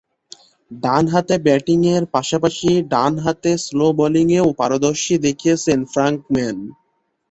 ডানহাতে ব্যাটিংয়ের পাশাপাশি ডানহাতে স্লো বোলিংয়েও পারদর্শীতা দেখিয়েছেন ফ্রাঙ্ক মান।